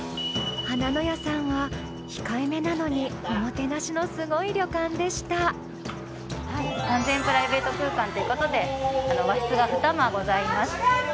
はなのやさんは控えめなのにおもてなしのすごい旅館でした完全プライベート空間ということで和室がふた間ございます。